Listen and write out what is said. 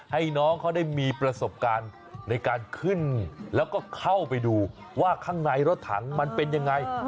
ให้น้องเขาได้มีประสบการณ์ในการขึ้นแล้วก็เข้าไปดูว่าข้างในรถถังมันเป็นยังไง